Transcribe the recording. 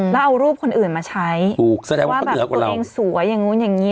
แล้วเอารูปคนอื่นมาใช้ถูกแสดงว่าแบบตัวเองสวยอย่างนู้นอย่างนี้